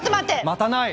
待たない！